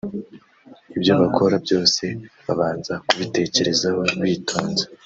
ibyo bakora byose babanza kubitekerezaho bitonze